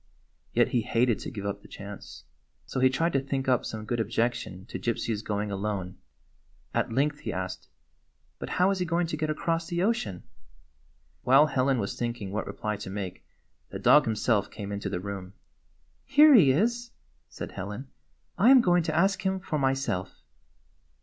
Yet he hated to give up the chance. So he tried to think up some good objection to Gypsy's going alone. At length he asked :" But how is he going to get across the ocean?" While Helen was thinking what reply to make the dog himself came into the room. "Here he is," said Helen. "I am going to ask him for myself."